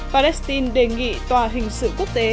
palestine đề nghị tòa hình sự quốc tế